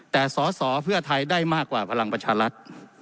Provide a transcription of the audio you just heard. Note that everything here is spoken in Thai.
แต่สอสอเพื่อไทยได้มากกว่าพลังประชารัฐ